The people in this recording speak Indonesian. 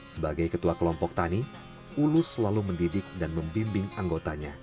sebagai ketua kelompok tani ulus selalu mendidik dan membimbing anggotanya